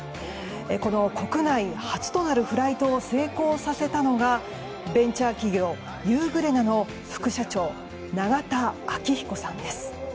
この国内初となるフライトを成功させたのがベンチャー企業ユーグレナの副社長永田暁彦さんです。